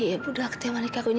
ya budak ketika menikah gue ini